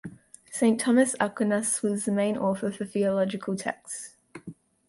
Saint Thomas Aquinas was the main author for theological texts.